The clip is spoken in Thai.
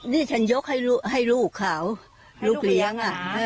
นี่ฉันยกให้ลูกเขาลูกเลี้ยง